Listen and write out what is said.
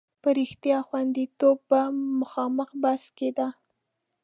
په رښتیا غوندېتوب به خامخا بحث کېده.